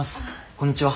こんにちは。